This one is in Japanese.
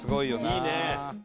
「いいね！」